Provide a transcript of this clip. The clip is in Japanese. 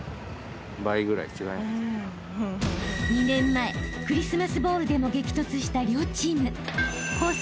［２年前クリスマスボウルでも激突した両チーム］